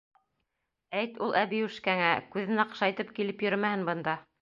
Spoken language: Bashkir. Әйт ул әбейүшкәңә: күҙен аҡшайтып килеп йөрөмәһен бында.